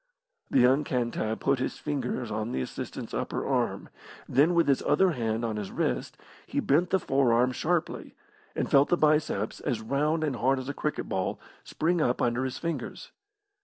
The young Cantab put his fingers on the assistant's upper arm, then with his other hand on his wrist, he bent the forearm sharply, and felt the biceps, as round and hard as a cricket ball, spring up under his fingers.